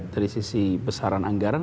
dari sisi besaran anggaran